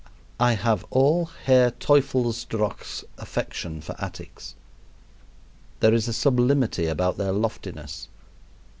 I have all Herr Teufelsdrockh's affection for attics. There is a sublimity about their loftiness.